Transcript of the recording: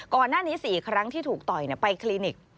ก่อนหน้านี้๔ครั้งที่ถูกต่อยไปคลินิก